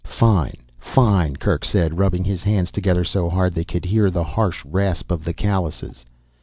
"Fine, fine," Kerk said, rubbing his hands together so hard they could hear the harsh rasp of the callouses.